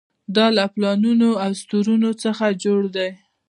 دا له پلانونو او دستورونو څخه جوړ دی.